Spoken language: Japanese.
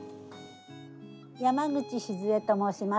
山口静江と申します。